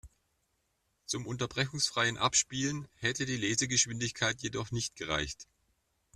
Zum unterbrechungsfreien Abspielen hätte die Lesegeschwindigkeit jedoch nicht gereicht.